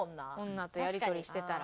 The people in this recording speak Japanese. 女とやり取りしてたら。